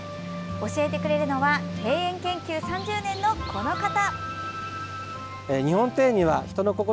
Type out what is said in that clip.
教えてくれるのは庭園研究３０年のこの方！